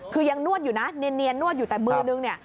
คือยังนวดอยู่นะเนียนนวดอยู่แต่มือนึงเนี่ย